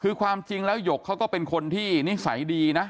คือความจริงแล้วหยกเขาก็เป็นคนที่นิสัยดีนะ